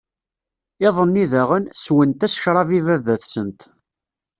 Iḍ-nni daɣen, sswent-as ccṛab i Baba-tsent.